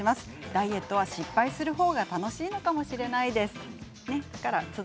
ダイエットは失敗する方が楽しいのかもしれないですということです。